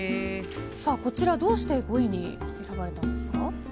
こちら、どうして５位に選ばれたんですか？